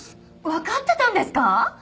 わかってたんですか！？